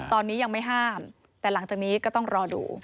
ตอนนี้ยังไม่ห้ามแต่หลังจากนี้ก็ต้องรอดู